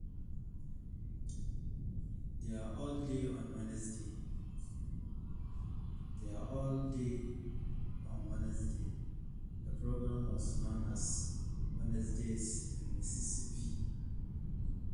There all day on Wednesday, the program was known as Wednesdays in Mississippi.